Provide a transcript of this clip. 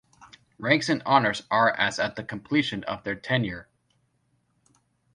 Ranks and honours are as at the completion of their tenure.